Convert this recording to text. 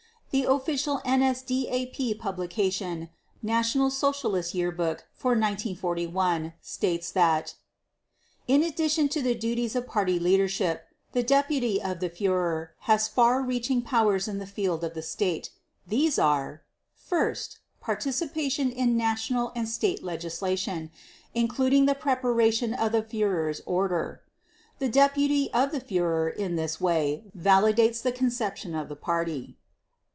The official NSDAP publication National Socialist Year Book for 1941 states that: "In addition to the duties of Party leadership, the deputy of the Führer has far reaching powers in the field of the State. These are: First—participation in national and state legislation, including the preparation of the Führer's order. The deputy of the Führer in this way validates the conception of the Party